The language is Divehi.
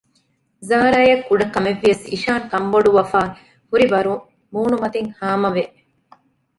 ޒާރާއަށް ކުޑަކަމެއްވިޔަސް އިޝާން ކަންބޮޑުވަފައި ހުރިވަރު މޫނުމަތިން ހާމަވެ